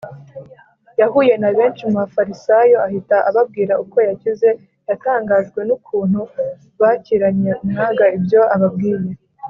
, yahuye na benshi mu Bafarisayo ahita ababwira uko yakize. Yatangajwe n’ukuntu bakiranye umwaga ibyo ababwiye.